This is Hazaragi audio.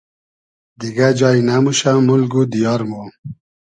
دیگۂ جای نئموشۂ مولگ و دیار مۉ